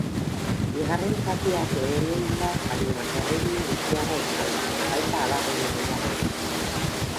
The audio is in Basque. Bigarren zatiak lehenengoak baino erritmo biziagoa izan du, baita abagune gehiago ere.